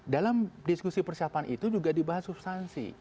dalam diskusi persiapan itu juga dibahas substansi